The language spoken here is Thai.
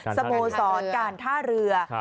สโมสรการท่าเรือ